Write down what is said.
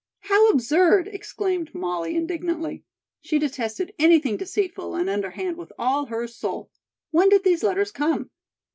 "How absurd!" exclaimed Molly indignantly. She detested anything deceitful and underhand with all her soul. "When did these letters come?"